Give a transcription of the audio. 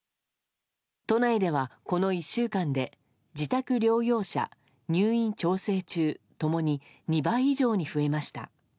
都内では、この１週間で自宅療養者入院調整中共に２倍以上に増えました。